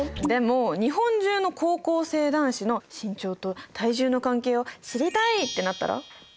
でも日本中の高校生男子の身長と体重の関係を知りたい！ってなったら？